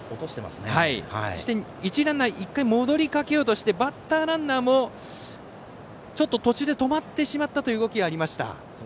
そして、一塁ランナー一回、戻りかけようとしてバッターランナーもちょっと途中で止まってしまったという動きがありました。